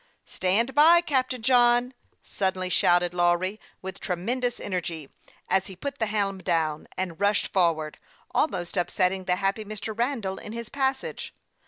" Stand by, Captain John !" suddenly shouted Lawry, with tremendous energy, as he put the helm down, and rushed forward, almost upsetting the happy Mr. Randall in his passage.